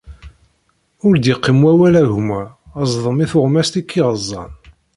Ur d-yeqqim wawal agma, zḍem i tuɣmas i k-iɣeẓẓan.